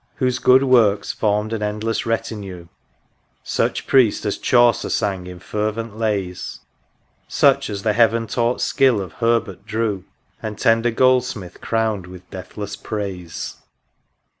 Whose good works formed an endless retinue : Such Priest as Chaucer sang in fervent lays ; Such as the heaven taught skill of Herbert drew; And tender Goldsmith crown'd with deathless praise